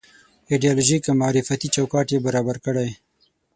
ایدیالوژيک او معرفتي چوکاټ یې برابر کړی.